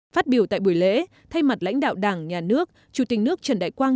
phát biểu tại buổi lễ thay mặt lãnh đạo đảng nhà nước chủ tịch nước trần đại quang